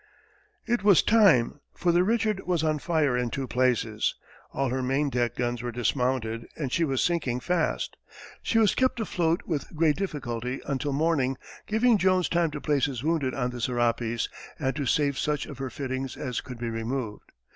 It was time, for the Richard was on fire in two places, all her main deck guns were dismounted, and she was sinking fast. She was kept afloat with great difficulty until morning, giving Jones time to place his wounded on the Serapis, and to save such of her fittings as could be removed.